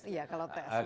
iya kalau tes ujiannya